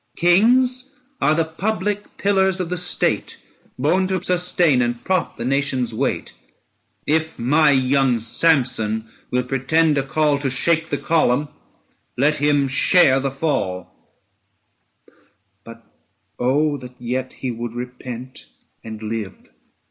Kings are the public pillars of the State, Born to sustain and prop the nation's weight : If my young Samson will pretend a call 955 To shake the column, let him share the fall; But oh that yet he would repent and live!